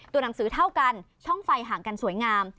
หนังสือเท่ากันช่องไฟห่างกันสวยงาม